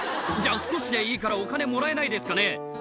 「じゃあ少しでいいからお金もらえないですかね？」